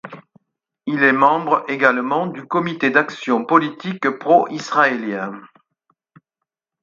Il est membre également du comité d'action politique pro-israélien.